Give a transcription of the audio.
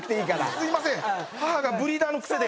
すいません！